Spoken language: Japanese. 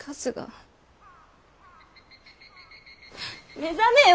目覚めよ！